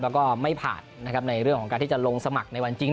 แล้วก็ไม่ผ่านนะครับในเรื่องของการที่จะลงสมัครในวันจริง